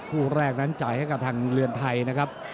คู่แรกนั้นจ่ายให้กับทางเรือนไทยนะครับ